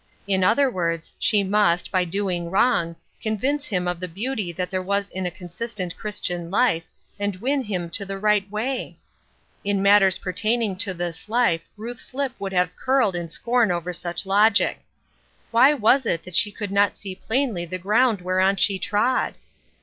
In other words, she must, by doing wrong, convince him of the beauty that there is in a consistent Christian life, and win him to the right way ! In matters pertaining to this life Ruth's lip would have curled in scorn over such logic. Why was it that she could not see plainly the ground whereon she trod